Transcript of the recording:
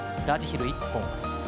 ラージヒル１本。